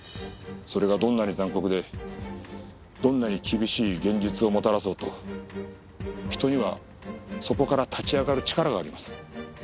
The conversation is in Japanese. それがどんなに残酷でどんなに厳しい現実をもたらそうと人にはそこから立ち上がる力があります。